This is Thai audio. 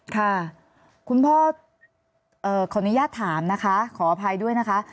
ค่ะคุณพ่อขออนุญาตถามนะคะขออภัยด้วยนะคะ